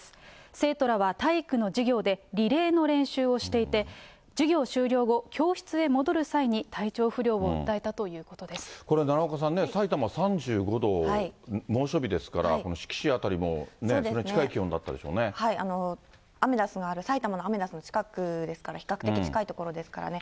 生徒らは体育の授業でリレーの練習をしていて、授業終了後、教室へ戻る際に、これ、奈良岡さんね、さいたま３５度、猛暑日ですから、志木市辺りもね、それに近い気温アメダスの、さいたまのアメダスの近くですから、比較的近い所ですからね。